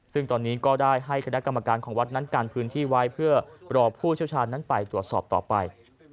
ซึ่งตอนนี้ก็ได้ให้คณะกรรมการของวัดนั้นกันพื้นที่ไว้เพื่อรอผู้เชี่ยวชาญนั้นไปตรวจสอบต่อไป